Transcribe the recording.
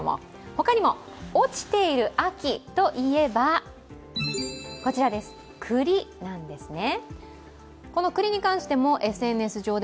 他にも落ちている秋といえばこちらです、くりなんですね。